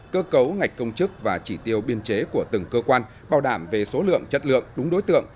cơ cấu ngạch công chức và chỉ tiêu biên chế của từng cơ quan bảo đảm về số lượng chất lượng đúng đối tượng